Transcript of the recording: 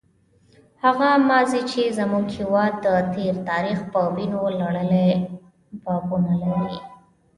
هغه ماضي چې زموږ هېواد د تېر تاریخ په وینو لړلي بابونه لري.